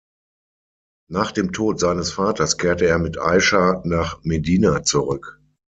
Nach dem Tod seines Vaters kehrte er mit Aischa nach Medina zurück.